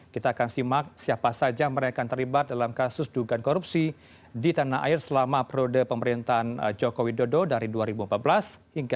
kita akan simak siapa saja mereka yang terlibat dalam kasus dugaan korupsi di tanah air selama periode pemerintahan joko widodo dari dua ribu empat belas hingga dua ribu sembilan belas